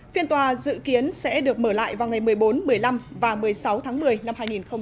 phiên tòa dự kiến sẽ được mở lại vào ngày một mươi bốn một mươi năm và một mươi sáu tháng một mươi năm hai nghìn một mươi chín